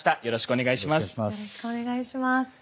よろしくお願いします。